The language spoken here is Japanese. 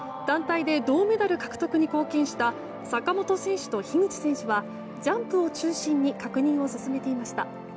団体で銅メダル獲得に貢献した坂本選手と樋口選手はジャンプを中心に確認を進めていました。